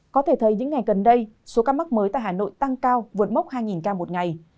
có thể thấy những ngày gần đây số ca mắc mới tại hà nội tăng cao vượt mốc hai ca một ngày